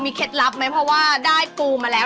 เคล็ดลับไหมเพราะว่าได้ปูมาแล้ว